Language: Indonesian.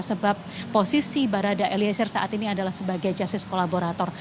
sebab posisi barada eliezer saat ini adalah sebagai justice kolaborator